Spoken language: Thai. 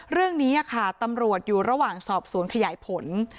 เรื่องนี้ค่ะตำรวจอยู่ระหว่างสอบสวนขยายผล